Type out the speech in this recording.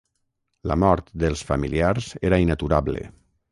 La mort dels familiars era inaturable.